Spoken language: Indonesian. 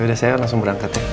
yaudah saya langsung berangkat ya